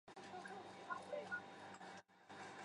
这个日期在纽康的太阳表也得到应用。